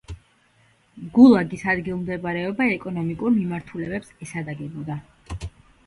გულაგის ადგილმდებარეობა ეკონომიკურ მიმართულებებს ესადაგებოდა.